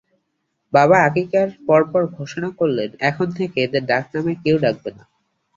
বাবা আকিকার পরপর ঘোষণা করলেন, এখন থেকে এদের ডাকনামে কেউ ডাকবে না।